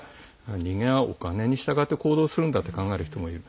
人間はお金にしたがって行動するんだって考える人もいる。